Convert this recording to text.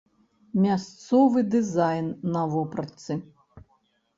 Мясцовы дызайн на вопратцы.